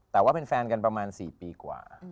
แต่ว่าเป็นแฟนกันประมาณ๔ปีกว่า